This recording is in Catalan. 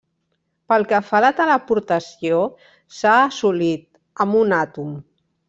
Pel que fa a la teleportació, s’ha assolit, amb un àtom.